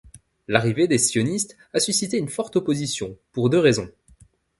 L'arrivée des sionistes a suscité une forte opposition, pour deux raisons.